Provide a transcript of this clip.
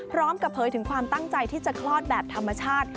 พร้อมกับเผยถึงความตั้งใจที่จะคลอดแบบธรรมชาติ